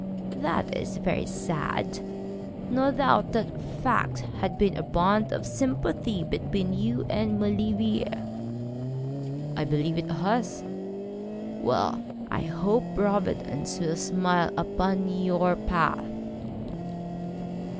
'That is very sad. No doubt that fact has been a bond of sympathy between you and Maulevrier?' 'I believe it has.' 'Well, I hope Providence will smile upon your path.'